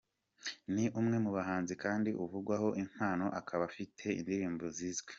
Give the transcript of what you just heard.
Ni umwe mu bahanzi kandi uvugwaho impano akaba afite indirimbo zizwi.